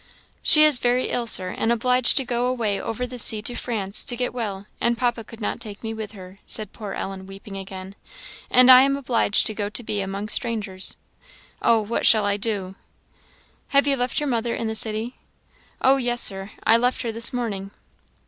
"She is very ill, Sir, and obliged to go away over the sea to France, to get well; and papa could not take me with her," said poor Ellen, weeping again, "and I am obliged to go to be among strangers. Oh, what shall I do?" "Have you left your mother in the city?" "Oh yes, Sir! I left her this morning."